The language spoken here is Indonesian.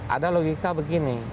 ada logika begini